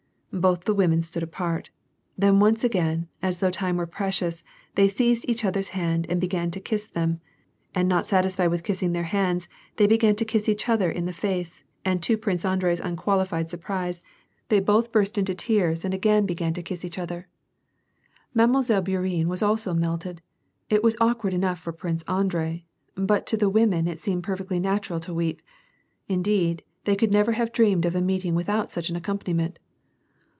Both the women stood apart ; then once again, as though time were precious, they seized^iftch other's hand and began to kiss them ; and not satisfied v^th kissing their hands, they began to kiss each other in the face, and to Prince Andrei's unquaUfied surprise, they both burst WAR AND PEACE, 113 into tears and agaih began to kiss each other. Mile. Bourienne was also melted ; it was awkward enough for Prince Andrei, but to the women it seemed perfectly natural to weep ; indeed, they could never have dreamed of a meeting without such an accompaniment.